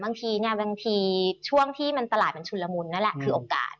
บางทีเนี่ยบางทีช่วงที่มันตลาดมันชุนละมุนนั่นแหละคือโอกาส